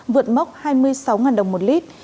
vượt mốc hai mươi sáu đồng một lít